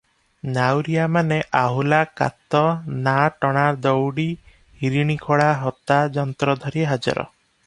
ନାଉରିଆମାନେ ଆହୁଲା, କାତ, ନା - ଟଣା ଦଉଡ଼ି, ହରିଣିଖୋଳା ହତା ଯନ୍ତ୍ର ଧରି ହାଜର ।